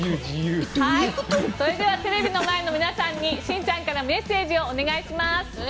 それではテレビの前の皆さんにしんちゃんからメッセージをお願いします。